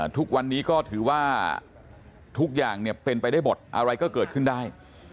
ทุกวันนี้ก็ถือว่าทุกอย่างเป็นไปได้หมดอะไรก็เกิดขึ้นได้